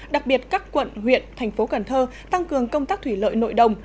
đặc biệt các quận huyện thành phố cần thơ tăng cường công tác thủy lợi nội đồng